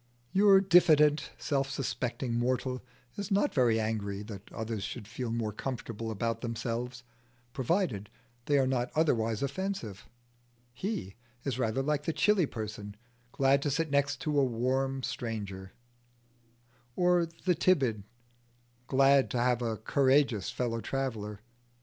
Your diffident self suspecting mortal is not very angry that others should feel more comfortable about themselves, provided they are not otherwise offensive: he is rather like the chilly person, glad to sit next a warmer neighbour; or the timid, glad to have a courageous fellow traveller.